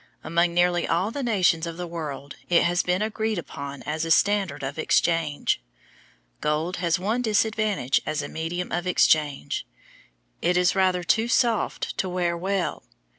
Among nearly all the nations of the world it has been agreed upon as a standard of exchange. Gold has one disadvantage as a medium of exchange; it is rather too soft to wear well.